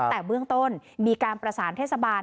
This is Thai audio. แต่เบื้องต้นมีการประสานเทศบาล